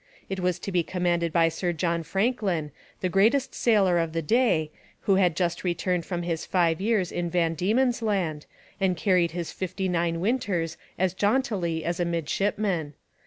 It was to be commanded by Sir John Franklin, the greatest sailor of the day, who had just returned from his five years in Van Diemen's Land and carried his fifty nine winters as jauntily as a midshipman.